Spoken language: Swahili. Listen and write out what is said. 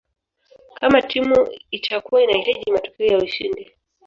Kama timu itakua inahitaji matokeo ya ushindi